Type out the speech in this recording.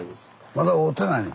まだ会うてないの？